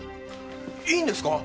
いいんですか？